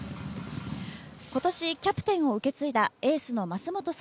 今年キャプテンを受け継いだエースの舛本颯